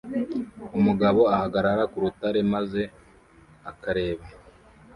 Umugabo ahagarara ku rutare maze akareba